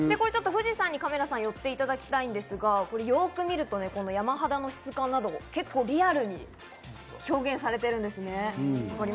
富士山にカメラ寄っていただきたいんですが、よく見ると山肌の質感など、結構リアルに表現されているんですね。